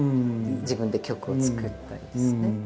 自分で曲を作ったりですね。